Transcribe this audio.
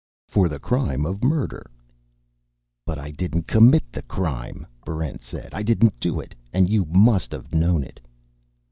"For the crime of murder." "But I didn't commit the crime!" Barrent said. "I didn't do it, and you must have known it!"